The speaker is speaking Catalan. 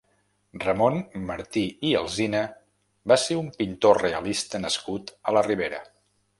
Ramon Martí i Alsina va ser un pintor realista nascut a la Ribera.